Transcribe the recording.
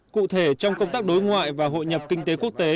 cụ thể trong công tác đối ngoại và hội nhập kinh tế quốc tế